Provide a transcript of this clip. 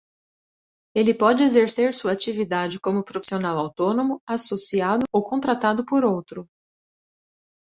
Ele pode exercer sua atividade como profissional autônomo, associado ou contratado por outro.